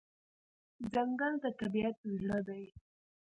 ځنګل د طبیعت زړه دی.